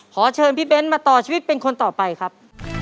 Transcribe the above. ขอเชิญพี่เบ้นมาต่อชีวิตเป็นคนต่อไปครับ